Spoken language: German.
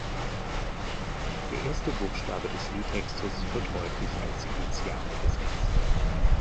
Der erste Buchstabe des Liedtextes wird häufig als Initiale gesetzt.